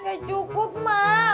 gak cukup mak